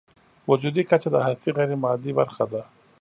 وجودي کچه د هستۍ غیرمادي برخه ده.